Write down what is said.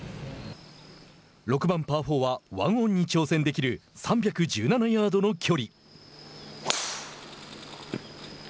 ６番パー４はワンオンに挑戦できる３１７ヤードの距離。